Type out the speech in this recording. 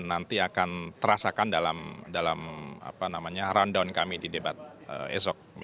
nanti akan terasakan dalam rundown kami di debat esok